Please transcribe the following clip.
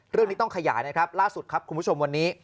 เรื่องนี้ต้องขยายนะครับล่าสุดครับคุณผู้ชมวันนี้